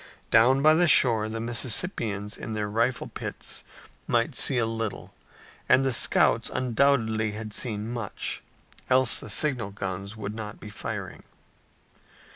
Down by the shore the Mississippians in their rifle pits might see a little, and the scouts undoubtedly had seen much, else the signal guns would not be firing.